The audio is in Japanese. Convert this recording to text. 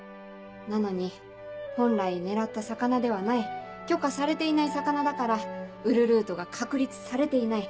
なのに本来狙った魚ではない許可されていない魚だから売るルートが確立されていない。